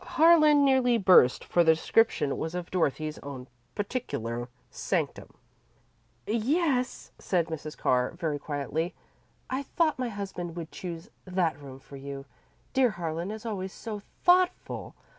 Harlan nearly burst, for the description was of Dorothy's own particular sanctum. "Yes," said Mrs. Carr, very quietly; "I thought my husband would choose that room for you dear Harlan is always so thoughtful!